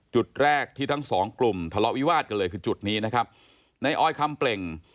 จุดแรกที่ทั้งสองกลุ่มทะเลาะวิวาดกันเลยคือจุดนี้นะครับในอ้อยคำเปล่ง